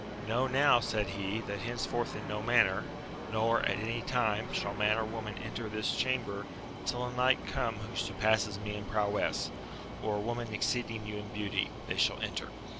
Know now, said he, that henceforth in no manner, nor at any time, shall man or woman enter this chamber till a knight come who surpasses me in prowess, or a woman exceeding you in beauty ; they shall enter.